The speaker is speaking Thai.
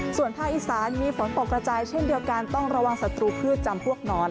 ส่วนภาคอีสานมีฝนตกกระจายเช่นเดียวกันต้องระวังศัตรูพืชจำพวกหนอน